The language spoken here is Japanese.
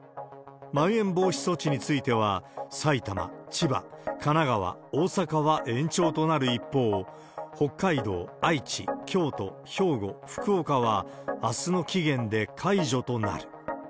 まん延防止措置については、埼玉、千葉、神奈川、大阪は延長となる一方、北海道、愛知、京都、兵庫、福岡は、あすの期限で解除となる。